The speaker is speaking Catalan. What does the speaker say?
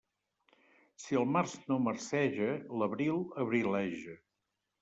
Si el març no marceja, l'abril abrileja.